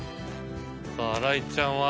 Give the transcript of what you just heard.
さぁ新井ちゃんは？